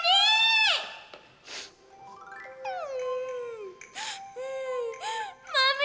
itu bentang bentang aku